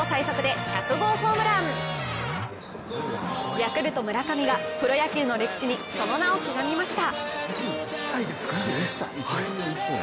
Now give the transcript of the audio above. ヤクルト・村上がプロ野球の歴史にその名を刻みました。